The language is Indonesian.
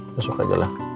masuk aja lah